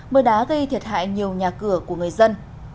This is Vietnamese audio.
mưa đá gây thiệt hại nhiều nhà cửa của người dân